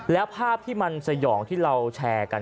แล้วภาพที่มันสยองที่เราแชร์กัน